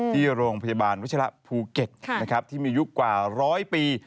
ที่โรงพยาบาลวัชระภูเก็ตที่มียุคกว่าร้อยปี